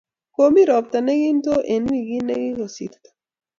komi robta ne kinto eng' wikit ne kokusirto